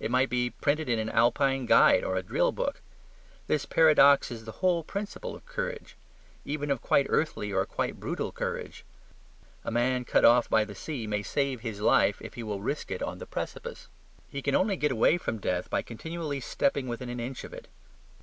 It might be printed in an Alpine guide or a drill book. This paradox is the whole principle of courage; even of quite earthly or quite brutal courage. A man cut off by the sea may save his life if he will risk it on the precipice. He can only get away from death by continually stepping within an inch of it.